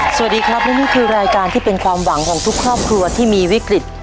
สวัสดีครับและนี่คือรายการที่เป็นความหวังของทุกครอบครัวที่มีวิกฤต